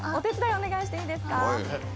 お願いしていいですか？